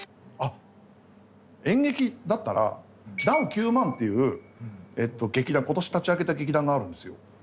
あっ演劇だったら「ダウ９００００」っていう劇団今年立ち上げた劇団があるんですよ。